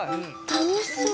楽しそう。